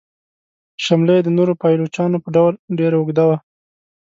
شمله یې د نورو پایلوچانو په ډول ډیره اوږده وه.